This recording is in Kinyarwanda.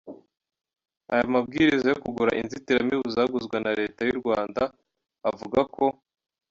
Aya mabwiriza yo kugura inzitiramibu zaguzwe na leta y’u Rwanda avuga ko:.